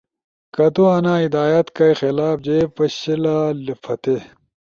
کہ تو انا ہدایات کائی خلاف جے پشلا لپھاتی،